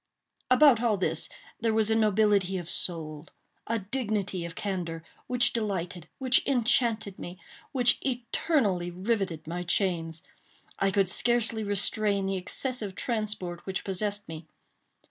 About all this there was a nobility of soul—a dignity of candor—which delighted—which enchanted me—which eternally riveted my chains. I could scarcely restrain the excessive transport which possessed me.